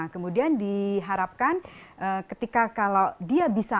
kemudian diharapkan ketika kalau dia bisa